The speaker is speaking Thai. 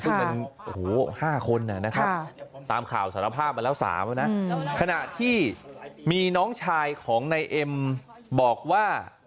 ซึ่งมัน๕คนนะครับตามข่าวสารภาพมาแล้ว๓นะขณะที่มีน้องชายของนายเอ็มบอกว่า